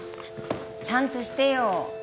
ちゃんとしてよ